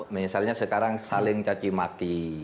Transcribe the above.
misalnya sekarang saling cacimaki